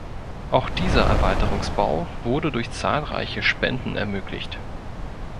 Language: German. Auch dieser Erweiterungsbau wurde durch zahlreiche Spenden ermöglicht.